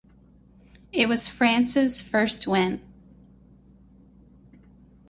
It was France's first win.